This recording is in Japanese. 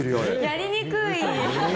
やりにくい！